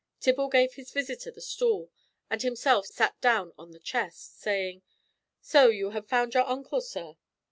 Tibble gave his visitor the stool, and himself sat down on the chest, saying: "So you have found your uncle, sir."